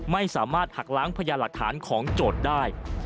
ไม่สามารถหักล้างพยานหลักฐานของโจทย์ได้